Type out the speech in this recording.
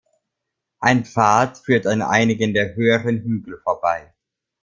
Ein Pfad führt an einigen der höheren Hügel vorbei.